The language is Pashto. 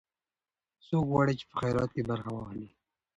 څوک غواړي چې په خیرات کې برخه واخلي؟